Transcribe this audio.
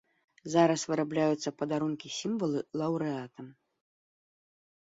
Зараз вырабляюцца падарункі-сімвалы лаўрэатам.